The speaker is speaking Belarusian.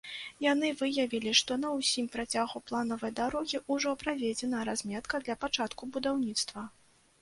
Яны выявілі, што на ўсім працягу планаванай дарогі ўжо праведзена разметка для пачатку будаўніцтва.